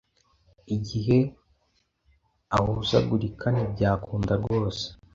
igihe ahuzagurika ntibyakunda rwose